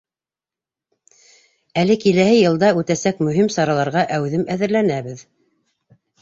— Әле киләһе йылда үтәсәк мөһим сараларға әүҙем әҙерләнәбеҙ.